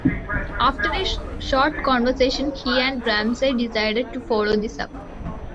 After a short conversation he and Ramsay decided to follow this up.